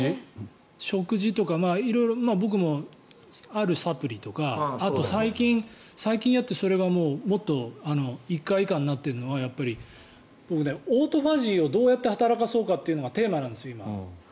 食事とか、あるサプリとかあと、最近それがもっと１回以下になっているのはやっぱり僕、オートファジーをどうやって働かせようかというのがテーマなんですよ、今。